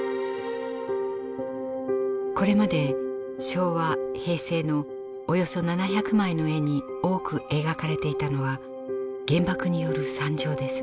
これまで昭和・平成のおよそ７００枚の絵に多く描かれていたのは原爆による惨状です。